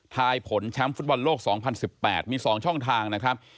ยผลแชมป์ฟุตบอลโลก๒๐๑๘มี๒ช่องทางนะครับ